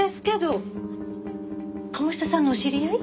鴨志田さんのお知り合い？